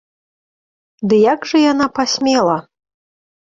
Ды як жа яна пасмела?!